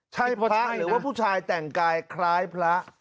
ใช่พระหรือว่าผู้ชายแต่งกายคล้ายพระ